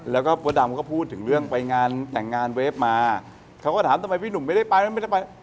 แล้วก็มดดำก็พูดถึงเรื่องไปงานแต่งงานเวฟมาเขาก็ถามทำไมพี่หนุ่มไม่ได้ไปไม่ได้ไป